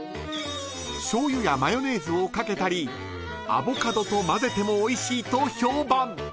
［しょうゆやマヨネーズをかけたりアボカドとまぜてもおいしいと評判］